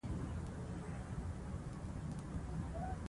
دا طریقه ډېرې اوبه لګوي.